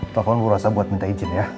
telepon bu rosa buat minta izin ya